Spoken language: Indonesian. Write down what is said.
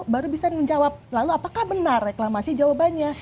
baru bisa menjawab lalu apakah benar reklamasi jawabannya